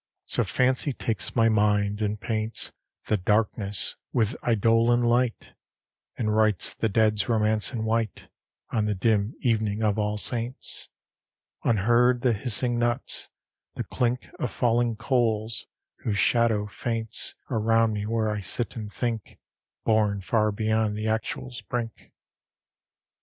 So fancy takes my mind, and paints The darkness with eidolon light, And writes the deads' romance in white On the dim Evening of All Saints: Unheard the hissing nuts; the clink Of falling coals, whose shadow faints Around me where I sit and think, Borne far beyond the actual's brink.